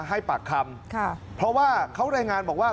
ให้ปากคำค่ะเพราะว่าเขารายงานบอกว่า